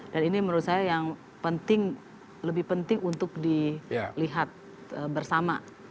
dan ini menurut saya yang penting lebih penting untuk dilihat bersama